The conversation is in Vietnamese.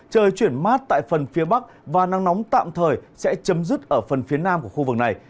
trời chuyển mát tại phần phía bắc và nắng nóng tạm thời sẽ chấm dứt ở phần phía nam của khu vực này